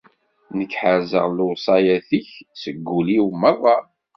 Nekk ḥerrzeɣ lewṣayat-ik seg wul-iw merr.